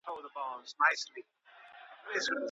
مېلمانه په اختر کي نه کمېږي.